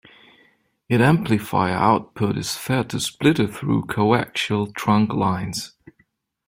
It amplifier output is fed to splitter through coaxial trunk lines.